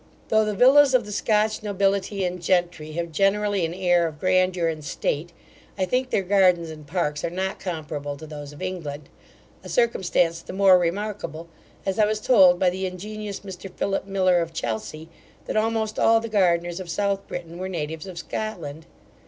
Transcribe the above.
Though the villas of the Scotch nobility and gentry have generally an air of grandeur and state, I think their gardens and parks are not comparable to those of England; a circumstance the more remarkable, as I was told by the ingenious Mr Phillip Miller of Chelsea, that almost all the gardeners of South Britain were natives of Scotland.